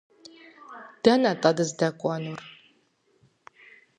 Дэнэ-тӏэ дыздэкӏуэнур?